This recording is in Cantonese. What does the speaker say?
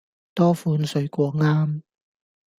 多款水果啱